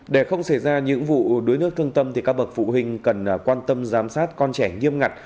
để không xảy ra những vụ đuối nước thương tâm các bậc phụ huynh cần quan tâm giám sát con trẻ nghiêm ngặt